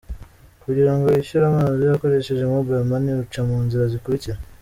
Kugira ngo wishyure amazi ukoresheje Mobile Money uca mu nzira zikurikira.